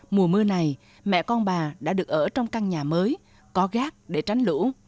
mùa mưa này mẹ con bà đã được ở trong căn nhà mới có gác để tránh lũ